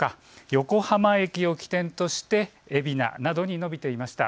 横浜駅を起点として海老名などにのびていました。